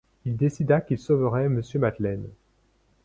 Il décida qu’il sauverait Monsieur Madeleine.